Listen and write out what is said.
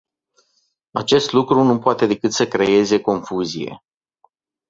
Acest lucru nu poate decât să creeze confuzie.